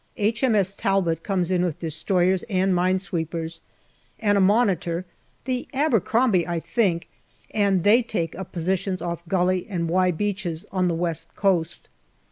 H.M.S. Talbot comes in with destroyers and mine sweepers, and a Monitor the Abercrombie, I think and they take up positions off Gully and " Y " Beaches on the West Coast.